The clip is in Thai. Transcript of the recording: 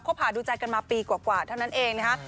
หาดูใจกันมาปีกว่าเท่านั้นเองนะคะ